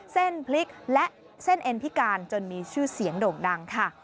เส้นพลิกและเส้นเอ็นพิการจนมีชื่อเสียงโด่งดังค่ะ